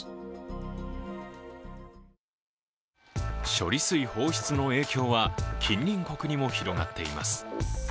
処理水放出の影響は近隣国にも広がっています。